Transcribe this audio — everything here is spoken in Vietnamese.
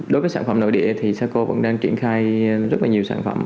đối với sản phẩm nội địa thì saco vẫn đang triển khai rất là nhiều sản phẩm